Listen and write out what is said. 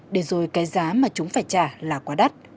để rồi cái giá mà chúng phải trả là quá đắt